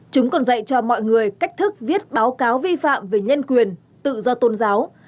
chúng còn dạy cho mọi người cách thức viết báo cáo vi phạm về nhân quyền tự do tôn giáo